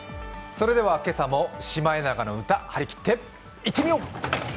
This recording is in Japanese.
それでは今朝も「シマエナガの歌」張り切っていってみよう。